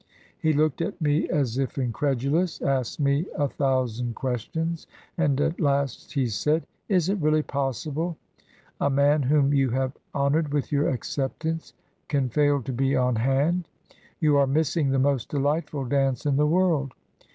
... He looked at me as if incredulous ... asked me a thousand questions, and at last he said: 'Is it really possible a man whom you have honored with your acceptance can fail to be on hand? You are missing the most delightful dance in the world.